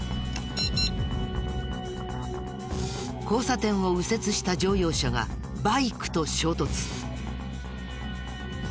交差点を右折した乗用車がバイクと衝突。